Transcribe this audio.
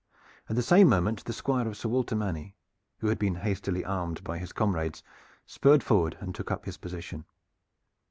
At the same moment the Squire of Sir Walter Manny, who had been hastily armed by his comrades, spurred forward and took up his position.